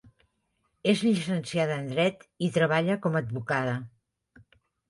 És llicenciada en Dret i treballa com a advocada.